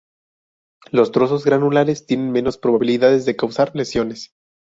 Los trozos granulares tienen menos probabilidades de causar lesiones.